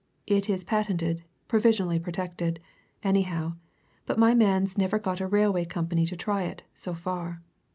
It is patented provisionally protected, anyhow but my man's never got a railway company to try it, so far.